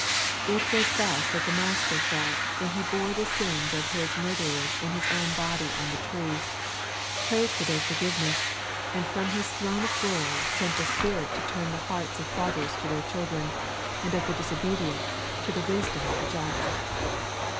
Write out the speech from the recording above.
It was thus that the Master felt when He bore the sins of His murderers in His own body on the tree, prayed for their forgiveness, and from His throne of glory sent the Spirit to turn the hearts of fathers to their children, and of the disobedient to the wisdom of the just.